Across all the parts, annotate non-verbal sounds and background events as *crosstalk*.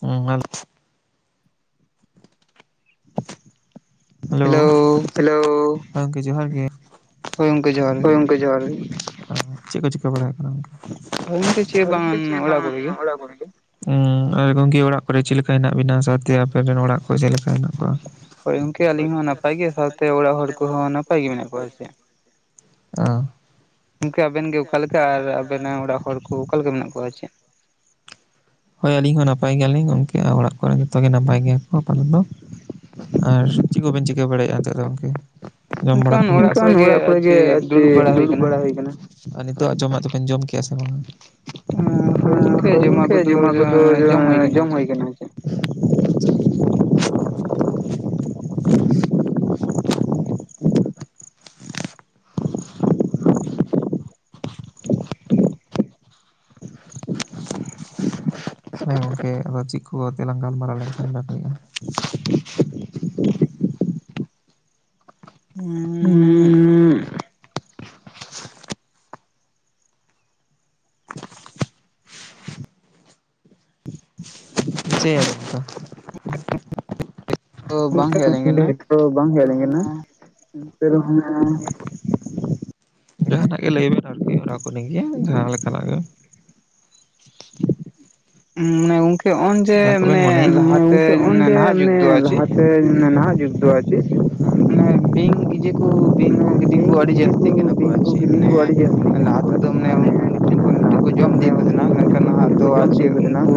ᱦᱩᱸ *unintelligible* *inaudible* hello, hello ᱦᱮᱸ ᱜᱚᱢᱠᱮ ᱡᱚᱦᱟᱨ ᱜᱮ᱾ ᱦᱳᱭ ᱜᱚᱢᱠᱮ ᱡᱚᱦᱟᱨ᱾ ᱜᱮ ᱦᱳᱭ ᱜᱚᱝᱠᱮ ᱡᱚᱦᱟᱨ ᱜᱮ᱾ ᱪᱮᱫ ᱠᱚ ᱪᱤᱠᱟᱹ ᱵᱟᱲᱟᱭ ᱠᱟᱱᱟ? ᱦᱳᱭ ᱜᱚᱝᱠᱮ ᱟᱞᱤᱧ ᱫᱚ ᱵᱟᱝ ᱪᱮᱫ ᱦᱚᱸ ᱚᱲᱟᱜ ᱵᱟᱝ ᱠᱚᱨᱮ ᱜᱮ ᱚᱲᱟ ᱠᱚᱨᱮ ᱜᱮ᱾ ᱦᱩᱸ ᱜᱚᱝᱠᱮ ᱚᱲᱟᱜ ᱠᱚᱨᱮ ᱪᱮᱫᱮ ᱞᱮᱠᱟ ᱦᱮᱱᱟᱜ ᱵᱮᱱᱟ, ᱥᱟᱶᱛᱮ ᱟᱯᱮ ᱨᱮᱱ ᱚᱲᱟᱜ ᱠᱚ ᱪᱮᱫ ᱞᱮᱠᱟ ᱦᱮᱱᱟᱜ ᱠᱚᱣᱟ᱾ ᱦᱳᱭ ᱜᱚᱝᱠᱮ ᱟᱹᱞᱤᱧ ᱦᱚᱸ ᱱᱟᱯᱟᱭ ᱜᱮ ᱥᱟᱶᱛᱮ ᱚᱲᱟᱜ ᱦᱚᱲ ᱠᱚᱦᱚᱸ ᱱᱟᱯᱟᱭ ᱜᱮ ᱢᱮᱱᱟᱜ ᱠᱚᱣᱟ ᱪᱮᱫ? ᱚ ᱜᱚᱝᱠᱮ ᱟᱵᱮᱱ ᱜᱚᱝᱠᱮ ᱟᱵᱮᱱ ᱜᱮ ᱚᱠᱟ ᱞᱮᱠᱟ ᱟᱨ ᱟᱵᱮᱱᱟᱜ ᱚᱲᱟᱜ ᱦᱚᱲ ᱠᱚ ᱚᱠᱟᱞᱮ ᱞᱮᱠᱟ ᱢᱮᱱᱟᱜ ᱠᱚᱣᱟ? ᱟᱨ ᱪᱮᱫ ᱦᱳᱭ ᱟᱹᱞᱤᱧ ᱦᱚᱸ ᱱᱟᱯᱟᱭ ᱜᱮᱭᱟᱞᱤᱧ ᱜᱚᱝᱠᱮ ᱚᱲᱟᱜ ᱠᱚᱨᱮᱱ ᱡᱚᱛᱚ ᱜᱮ ᱱᱟᱯᱟᱭ ᱜᱮᱭᱟ ᱠᱚ ᱟᱯᱟ ᱫᱚ ᱛᱚ ᱟᱨ ᱪᱮᱫ ᱠᱚᱵᱮᱱ ᱪᱤᱠᱟᱹ ᱵᱟᱲᱟᱭᱟᱜ-ᱟ, ᱱᱤᱛᱚᱜ ᱫᱚ ᱜᱚᱢᱠᱮ? ᱡᱚᱢ ᱵᱟᱲᱟ ᱠᱩ, ᱮᱱᱠᱷᱟᱱ ᱚᱲᱟᱜ ᱠᱚᱨᱮ ᱜᱮ ᱟᱨ ᱪᱮᱫ ᱫᱩᱲᱩᱵ ᱵᱟᱲᱟ ᱦᱩᱭ ᱠᱟᱱᱟ᱾ ᱟᱨ ᱱᱤᱛᱚᱜ ᱟᱜ ᱡᱚᱢᱟᱜ ᱫᱚᱵᱮᱱ ᱡᱚᱢ ᱠᱮᱭᱟ ᱥᱮ ᱵᱟᱝ? ᱚᱱᱟ ᱠᱚ ᱜᱚᱝᱠᱮ ᱡᱚᱢᱟᱜ ᱠᱚᱫᱚ ᱦᱩᱭ ᱟᱠᱟᱱᱟ ᱡᱚᱢ ᱪᱮ ᱠᱟᱱᱟ ᱜᱚᱢᱠᱮ᱾ *inaudible* ᱦᱮᱸ ᱜᱚᱝᱠᱮ ᱟᱫᱚ ᱪᱮᱫ ᱠᱚ ᱟᱛᱮᱞᱟᱝ ᱜᱟᱞᱢᱟᱨᱟᱣ ᱞᱮᱱᱠᱷᱟᱱ ᱵᱟᱝ ᱦᱩᱭᱩᱜ-ᱟ? ᱦᱩᱸᱻ *unintelligible* ᱛᱚ ᱵᱟᱝ ᱦᱮᱡ ᱟᱹᱞᱤᱧ ᱠᱟᱱᱟ *unintelligible* *inaudible* ᱡᱟᱦᱟᱸ ᱱᱟᱜ ᱜᱮ ᱞᱟᱹᱭ ᱵᱤᱱ ᱟᱨᱠᱤ ᱚᱱᱟ ᱠᱚ ᱱᱤᱭᱟᱹ ᱜᱮ ᱡᱟᱦᱟᱸ ᱞᱮᱠᱟᱱᱟᱜ ᱜᱮ᱾ *inaudible* ᱢᱟᱱᱮ ᱜᱚᱝᱠᱮ ᱦᱚᱜ-ᱚ ᱡᱮ ᱡᱟᱦᱟᱸ ᱠᱚᱵᱮᱱ ᱢᱟᱱᱮ ᱢᱚᱱᱮᱭᱮᱫ ᱞᱟᱦᱟᱛᱮ ᱱᱟᱦᱟᱜ ᱡᱩᱜᱽ ᱫᱚ ᱟᱨ ᱪᱮᱫ ᱥᱮ ᱱᱟᱦᱟᱜ ᱡᱩᱜᱽ ᱫᱚ ᱟᱨ ᱪᱮᱫ ᱦᱮᱸ ᱵᱤᱧ ᱵᱤᱧ ᱱᱤᱡᱮ ᱠᱚ ᱵᱤᱧ ᱠᱚ ᱢᱟᱱᱮ ᱠᱤᱫᱤᱧ ᱠᱚ ᱵᱤᱧ ᱟᱹᱰᱤ ᱤᱭᱟᱹ ᱡᱟᱹᱥᱛᱤ ᱠᱟᱱᱟ ᱠᱚ ᱵᱤᱧ ᱟᱨ ᱪᱮᱫ ᱠᱤᱫᱤᱧ ᱠᱚ ᱟᱹᱰᱤ ᱢᱟᱱᱮ ᱡᱟᱹᱥᱛᱤᱜ ᱠᱟᱱᱟ ᱞᱟᱦᱟᱸ ᱠᱚ ᱟᱨ ᱛᱮᱫᱚ ᱪᱮᱫ ᱢᱟᱱᱮ ᱞᱟᱦᱟ ᱛᱮᱫᱚ ᱢᱟᱱᱮ *unintelligible* ᱩᱱᱠᱩ ᱛᱟᱦᱮᱸᱱᱟ ᱢᱤᱫᱴᱮᱡ ᱢᱮᱱᱠᱷᱟᱱ ᱠᱷᱚᱱ ᱱᱟᱦᱟᱜ ᱢᱤᱫᱴᱮᱡ ᱠᱚ ᱫᱚ ᱟᱨ ᱡᱚᱢ ᱤᱫᱤᱭᱮᱫ ᱪᱮᱫ ᱠᱚ ᱛᱟᱦᱮᱱᱟ ᱩᱱᱠᱩ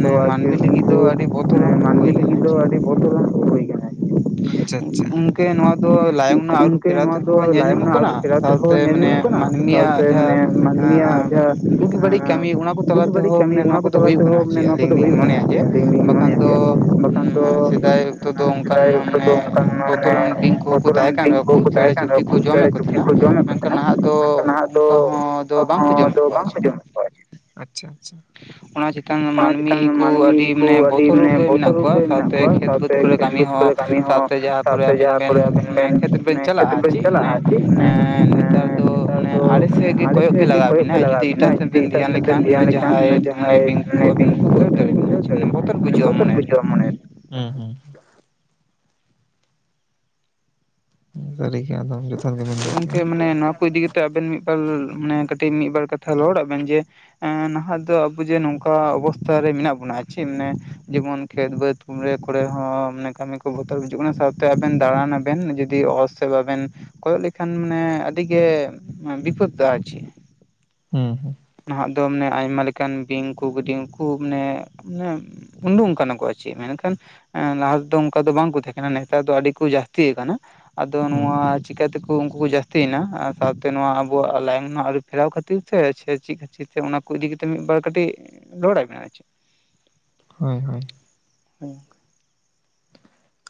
ᱢᱟᱱᱮ ᱢᱟᱹᱱᱢᱤ ᱞᱟᱹᱜᱤᱫ ᱫᱚ ᱟᱹᱰᱤ ᱦᱮᱸ ᱵᱚᱛᱚᱨᱟᱱ ᱠᱚ ᱦᱩᱭ ᱢᱟᱹᱱᱢᱤ ᱠᱟᱱᱟ ᱞᱟᱹᱜᱤᱫ ᱟᱨ ᱫᱚ ᱪᱮᱫ ᱟᱹᱰᱤ ᱵᱚᱛᱚᱨᱟᱱ ᱠᱚ ᱦᱩᱭ ᱠᱟᱱᱟ ᱟᱨᱠᱤ᱾ ᱟᱪᱪᱷᱟ ᱟᱪᱪᱷᱟ ᱜᱚᱝᱠᱮ ᱱᱚᱣᱟ ᱫᱚ ᱞᱟᱭᱚᱝ ᱨᱮᱱᱟᱜ ᱟᱹᱨᱩ ᱜᱚᱝᱠᱮ ᱯᱷᱮᱨᱟᱣ ᱱᱚᱣᱟ ᱛᱮᱦᱚᱸ ᱫᱚ ᱠᱚ ᱧᱮᱞ ᱞᱟᱭᱚᱝ ᱧᱟᱢᱚᱜ ᱨᱮᱱᱟᱜ ᱠᱟᱱᱟ ᱟᱹᱨᱩ ᱯᱷᱮᱨᱟᱣ ᱥᱟᱶᱛᱮ ᱛᱮᱦᱚᱸ ᱧᱮᱞ ᱢᱟᱱᱮ ᱧᱟᱢᱚᱜ ᱠᱟᱱᱟ ᱥᱟᱶᱛᱮ ᱢᱟᱹᱱᱢᱤᱭᱟᱜ ᱢᱟᱱᱮ ᱢᱟᱹᱱᱢᱤᱭᱟᱜ ᱡᱟᱦᱟᱸ ᱮᱸᱻ ᱵᱩᱜᱤ ᱵᱟᱹᱲᱤᱡ ᱡᱟᱦᱟᱸ ᱠᱟᱹᱢᱤ ᱚᱱᱟ ᱠᱚ ᱛᱟᱞᱟ ᱵᱩᱜᱤ ᱵᱟᱹᱲᱤᱡ ᱛᱮᱦᱚᱸ ᱢᱟᱱᱮ ᱠᱟᱹᱢᱤ ᱚᱱᱟ ᱱᱚᱣᱟ ᱠᱚ ᱠᱚᱫᱚ ᱛᱟᱞᱟ ᱦᱳᱭᱳᱜ ᱛᱮᱦᱚᱸ ᱠᱟᱱᱟ ᱢᱟᱱᱮ ᱪᱮᱜ ᱱᱚᱣᱟ ᱟᱹᱞᱤᱧ ᱠᱚᱫᱚ ᱞᱤᱧ ᱦᱩᱭᱩᱜ ᱠᱟᱱᱟ ᱢᱚᱱᱮᱭᱟ ᱡᱮ ᱟᱨᱠᱤ ᱟᱹᱞᱤᱧ ᱞᱤᱧ ᱵᱟᱠᱷᱟᱱ ᱢᱚᱱᱮᱭᱟ ᱫᱚ ᱡᱮ ᱵᱟᱠᱷᱟᱱ ᱫᱚ ᱥᱮᱫᱟᱭ ᱚᱠᱛᱚ ᱫᱚ ᱚᱱᱠᱟᱱ ᱥᱮᱫᱟᱭ ᱚᱠᱛᱚ ᱫᱚ ᱢᱟᱱᱮ ᱚᱱᱠᱟᱱ ᱢᱟᱱᱮ ᱵᱚᱛᱚᱨᱟᱱ ᱵᱤᱧ ᱠᱚᱦᱩ ᱠᱩ ᱵᱚᱛᱚᱨᱟᱱ ᱛᱟᱦᱮᱸ ᱠᱟᱱ ᱫᱤᱱ ᱨᱮᱦᱚᱸ ᱠᱩ ᱠᱚᱠᱚ ᱛᱟᱦᱮᱸ ᱪᱮᱸᱬᱮ ᱠᱟᱱ ᱪᱩᱯ- ᱲᱤ ᱨᱮᱦᱚᱸ ᱠᱚ ᱪᱮᱬᱮ ᱡᱚᱢᱮᱫ ᱠᱚ ᱪᱩᱯᱲᱤ ᱛᱮᱦᱮᱱᱟ ᱡᱚᱢᱮᱫ ᱠᱚ ᱢᱮᱱᱠᱷᱟᱱ ᱛᱟᱦᱮᱸᱱᱟ ᱱᱟᱦᱟᱜ ᱫᱚ ᱢᱮᱱᱠᱷᱟᱱ ᱱᱟᱦᱟᱜ ᱚᱝᱠᱟ ᱦᱚᱸ ᱫᱚ ᱵᱟᱝ ᱠᱚ ᱡᱚᱢᱮᱜ ᱠᱚᱣᱟ ᱟᱨ ᱪᱮᱜ ᱡᱚᱢᱮᱜ ᱠᱚᱣᱟ ᱪᱮᱜ᱾ ᱟᱪᱪᱷᱟ ᱟᱪᱪᱷᱟ, ᱚᱱᱟ ᱪᱮᱛᱟᱱ ᱚᱱᱟ ᱪᱮᱛᱟᱱ ᱢᱟᱹᱱᱢᱤ ᱠᱚ ᱢᱟᱹᱱᱢᱤ ᱟᱹᱰᱤ ᱠᱩ ᱢᱟᱱᱮ ᱟᱹᱰᱤ ᱵᱚᱛᱚᱨ ᱢᱟᱱᱮ ᱜᱮ ᱵᱚᱛᱚᱨ ᱢᱮᱱᱟᱜ ᱠᱚᱣᱟ ᱜᱮ ᱢᱮᱱᱟᱜ ᱥᱟᱶᱛᱮ ᱠᱚᱣᱟ ᱠᱷᱮᱛ ᱵᱟᱹᱫᱽ ᱥᱟᱶᱛᱮ ᱠᱚᱨᱮ ᱠᱷᱮᱛ ᱠᱟᱹᱢᱤ ᱵᱟᱹᱫᱽ ᱦᱚᱸ ᱠᱚᱨᱮ ᱠᱟᱹᱢᱤ ᱦᱚᱸ ᱥᱟᱶᱛᱮ ᱡᱟᱦᱟᱸ ᱠᱚᱨᱮ ᱥᱟᱶᱛᱮ ᱟᱵᱮᱱ ᱡᱟᱦᱟᱸ ᱵᱮᱱ ᱠᱚᱨᱮ ᱟᱵᱮᱱ ᱵᱮᱱ ᱢᱟᱱᱮ ᱠᱷᱮᱛ ᱠᱷᱮᱛ ᱪᱟᱞᱟᱜᱼᱟ ᱵᱮᱱ ᱪᱮᱫ ᱪᱟᱞᱟᱜ-ᱟ ᱢᱟᱱᱮ ᱪᱮ ᱢᱟᱱᱮ ᱱᱮᱛᱟᱨ ᱱᱮᱛᱟᱨ ᱢᱟᱱᱮ ᱫᱚ ᱟᱲᱮ ᱮᱸ ᱥᱮᱫ ᱜᱮ ᱟᱲᱮ ᱠᱚᱭᱚᱜ ᱜᱮ ᱥᱮᱜ ᱜᱤ ᱞᱟᱜᱟᱣ ᱠᱚᱭᱚᱜ ᱛᱮ ᱵᱮᱱᱟ ᱞᱟᱜᱟᱣ ᱡᱩᱫᱤ ᱟᱹᱵᱤᱱᱟ᱾ ᱮᱴᱟᱜ ᱥᱮᱫ ᱟᱰᱤ ᱵᱮᱱ ᱮᱴᱟᱜ ᱫᱷᱮᱭᱟᱱ ᱥᱮᱫ ᱛᱮᱢ ᱞᱮᱠᱷᱟᱱ ᱫᱷᱮᱭᱟᱱᱮ ᱮ ᱠᱟᱱᱟ᱾ ᱦᱟᱱ ᱢᱟᱱᱮ ᱡᱟᱦᱟᱸᱭ ᱵᱤᱧ ᱠᱚ ᱢᱟᱱᱮ ᱟᱵᱮᱱ ᱵᱤᱧ ᱠᱚ ᱜᱮᱨ ᱫᱟᱲᱮ ᱵᱮᱱᱟ ᱢᱟᱱᱮ ᱵᱩᱡᱷᱟᱹᱜᱼᱟ ᱵᱚᱛᱚᱨ ᱢᱚᱱᱮᱨᱮ ᱵᱩᱡᱷᱣᱟ ᱢᱚᱱᱮ ᱨᱮ᱾ ᱦᱩᱸ ᱦᱩᱸ᱾ ᱫᱟᱹᱨᱤ ᱜᱮ ᱟᱫᱚᱢ ᱡᱩ᱾ ᱦᱳᱭ ᱜᱚᱝᱠᱮ ᱢᱟᱱᱮ ᱱᱚᱣᱟ ᱠᱚ ᱤᱫᱤ ᱠᱟᱛᱮᱜ ᱟᱵᱮᱱ ᱢᱤᱜᱵᱟᱨ ᱢᱟᱱᱮ ᱠᱟᱹᱴᱤᱡ ᱢᱤᱜᱵᱟᱨ ᱠᱟᱛᱷᱟ ᱨᱚᱲᱟᱜ ᱵᱮᱱ ᱡᱮ, ᱮᱸ ᱱᱟᱦᱟᱜ ᱫᱚ ᱟᱹᱵᱩ ᱡᱮ ᱱᱚᱝᱠᱟ ᱚᱵᱚᱥᱛᱷᱟ ᱨᱮ ᱢᱤᱱᱟᱜ ᱵᱩᱱᱟ ᱟᱪᱷᱤ ᱢᱟᱱᱮ ᱡᱮᱢᱚᱱ ᱠᱷᱮᱛ ᱵᱟᱹᱫᱽ᱾ ᱠᱩᱲᱮ ᱠᱚᱨᱮ ᱦᱚᱸ ᱢᱟᱱᱮ ᱠᱟᱹᱢᱤ ᱠᱚ ᱵᱚᱛᱚᱨ ᱵᱩᱡᱩᱜ ᱠᱟᱱᱟ ᱥᱟᱶᱛᱮ ᱟᱵᱮᱱ ᱫᱟᱬᱟᱱᱟᱵᱮᱱ ᱡᱩᱫᱤ ᱚᱛ ᱥᱮᱜ ᱵᱟᱵᱮᱱ᱾ ᱠᱚᱭᱚᱜ ᱞᱮᱠᱷᱟᱱ ᱢᱟᱱᱮ ᱟᱹᱰᱤ ᱜᱮ ᱵᱤᱯᱚᱫᱼᱟ ᱟᱨ ᱪᱤ᱾ ᱦᱩᱸ ᱦᱩᱸ᱾ ᱱᱟᱦᱟᱜ ᱫᱚ ᱢᱟᱱᱮ ᱟᱭᱢᱟ ᱞᱮᱠᱟᱱ ᱵᱤᱧ ᱠᱩ ᱠᱤᱰᱤᱝ ᱠᱩ ᱢᱟᱱᱮ ᱢᱟᱱᱮ᱾ ᱩᱱ ᱫᱚ ᱚᱱᱠᱟ ᱱᱟᱠᱚ ᱟᱨ ᱪᱮᱫ ᱢᱮᱱᱠᱷᱟᱱ᱾ ᱮᱸ ᱞᱟᱦᱟ ᱛᱮᱫᱚ ᱚᱝᱠᱟ ᱫᱚ ᱵᱟᱝᱠᱚ ᱛᱟᱦᱮᱸ ᱠᱟᱱᱟ ᱱᱮᱛᱟᱨ ᱫᱚ ᱟᱹᱰᱤ ᱠᱚ ᱡᱟᱹᱥᱛᱤ ᱠᱟᱱᱟ ᱟᱫᱚ ᱦᱩᱸ ᱱᱚᱶᱟ᱾ ᱪᱤᱠᱟᱛᱮᱠᱩ ᱩᱝᱠᱩ ᱠᱚ ᱡᱟᱹᱥᱛᱤᱭᱮᱱᱟ ᱟᱨ ᱥᱟᱶᱛᱮ ᱱᱚᱣᱟ ᱟᱵᱚᱣᱟᱜ ᱞᱟᱭᱤᱱ ᱨᱮᱱᱟᱜ ᱟᱹᱨᱩ ᱯᱷᱮᱨᱟᱣ ᱠᱷᱟᱹᱛᱤᱨ ᱛᱮ ᱥᱮ, ᱪᱤᱜ ᱟᱨ ᱪᱤᱜ ᱛᱮ ᱚᱱᱟ ᱠᱚ ᱤᱫᱤ ᱠᱟᱛᱮᱫ ᱢᱤᱫ ᱵᱟᱨ ᱠᱟᱹᱴᱤᱡ ᱨᱚᱲᱟᱭ ᱵᱮᱱ ᱟᱨ ᱪᱤᱜ᱾ ᱦᱳᱭ ᱦᱳᱭ᱾ ᱦᱩᱸ᱾